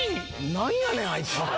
なんやねん、あいつ。